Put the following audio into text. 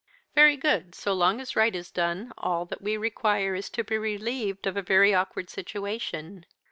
"'Very good; so long as right is done, all that we require is to be relieved of a very awkward situation.